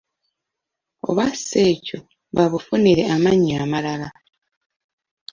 Oba si ekyo, babufunire amannya amalala.